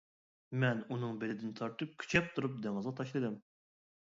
مەن ئۇنىڭ بېلىدىن تارتىپ كۈچەپ تۇرۇپ دېڭىزغا تاشلىدىم.